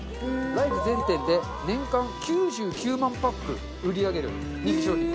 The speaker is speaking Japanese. ライフ全店で年間９９万パック売り上げる人気商品。